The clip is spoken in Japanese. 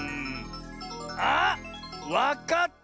あっわかった！